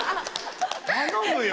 頼むよ！